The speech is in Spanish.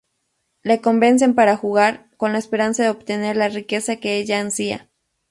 Le convencen para jugar, con la esperanza de obtener la riqueza que ella ansía.